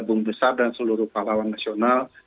bum besar dan seluruh pahlawan nasional